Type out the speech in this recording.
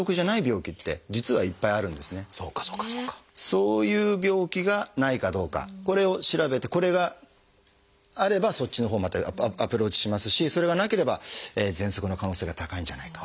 そういう病気がないかどうかこれを調べてこれがあればそっちのほうまたアプローチしますしそれがなければぜんそくの可能性が高いんじゃないか。